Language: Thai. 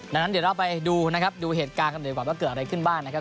ดังนั้นเดี๋ยวเราไปดูนะครับดูเหตุการณ์กันดีกว่าว่าเกิดอะไรขึ้นบ้างนะครับ